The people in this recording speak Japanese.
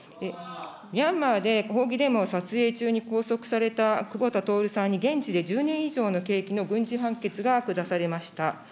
ミャンマーで抗議デモ撮影中に拘束された久保田徹さんに、現地で１０年以上の刑期の軍事判決が下されました。